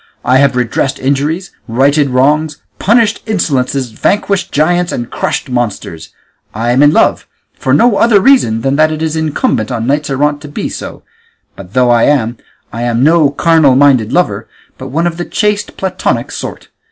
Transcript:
I have redressed injuries, righted wrongs, punished insolences, vanquished giants, and crushed monsters; I am in love, for no other reason than that it is incumbent on knights errant to be so; but though I am, I am no carnal minded lover, but one of the chaste, platonic sort.